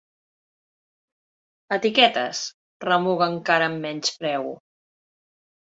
Etiquetes! —remuga encara amb menyspreu.